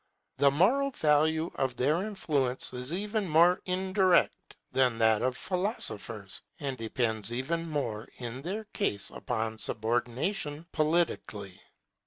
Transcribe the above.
The moral value of their influence is even more indirect than that of philosophers, and depends even more in their case upon subordination politically.